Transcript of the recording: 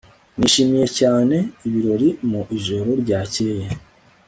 nishimiye cyane ibirori mu ijoro ryakeye